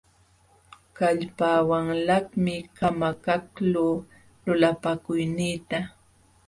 Kallpawanlaqmi kamakaqluu lulapakuyniita.